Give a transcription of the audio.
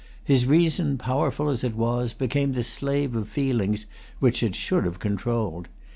His reason, powerful as it was, became the slave of feelings which it should have controlled.